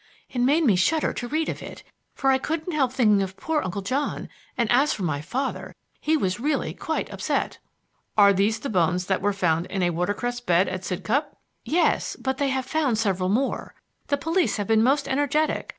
It made me shudder to read of it, for I couldn't help thinking of poor Uncle John, and, as for my father, he was really quite upset." "Are these the bones that were found in a watercress bed at Sidcup?" "Yes, but they have found several more. The police have been most energetic.